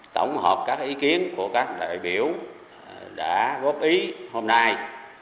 tổng hợp các ý kiến của các đại biểu đã góp ý hôm nay